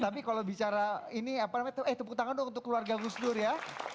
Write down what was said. tapi kalau bicara ini apa namanya eh tepuk tangan dong untuk keluarga gus dur ya